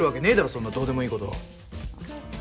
そんなどうでもいいこと。